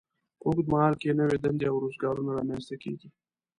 په اوږد مهال کې نوې دندې او روزګارونه رامینځته کیږي.